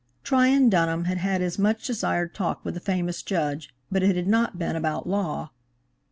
Tryon Dunham had had his much desired talk with the famous judge, but it had not been about law.